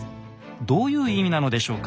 どういう意味なのでしょうか？